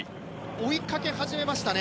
追いかけ始めましたね。